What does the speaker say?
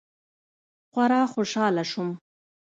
خورا خوشاله سوم.